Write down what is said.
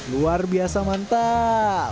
luar biasa mantap